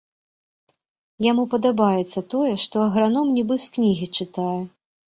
Яму падабаецца тое, што аграном нібы з кнігі чытае.